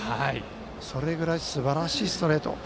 それぐらいすばらしいストレート。